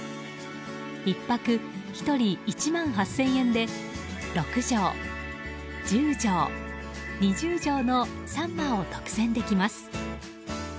１泊１人１万８０００円で６畳・１０畳・２０畳の３間を独占できます。